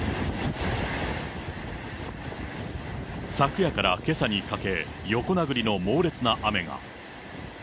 昨夜からけさにかけ、横殴りの猛烈な雨が。